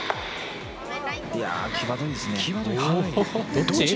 際どいですね。